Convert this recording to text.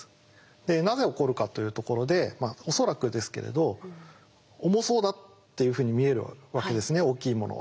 でなぜ起こるかというところで恐らくですけれど「重そうだ」っていうふうに見えるわけですね大きいものは。